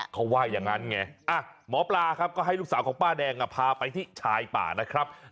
เขาว่าอย่างนั้นไงหมอปลาครับก็ให้ลูกสาวของป้าแดงพาไปที่ชายป่านะครับ